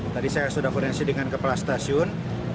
tadi saya sudah forensik dengan kepala stasiun